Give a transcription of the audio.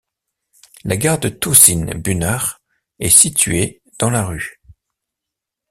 La gare de Tošin bunar est située dans la rue.